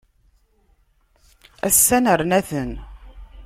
Ass-a nerna-ten.